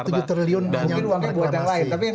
dan mungkin uangnya buat yang lain